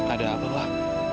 ada apa pak